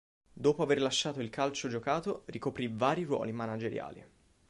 Dopo aver lasciato il calcio giocato ricoprì vari ruoli manageriali.